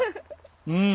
うん。